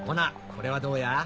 これはどうや？